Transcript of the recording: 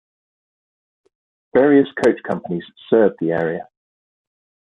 Various coach companies serve the area.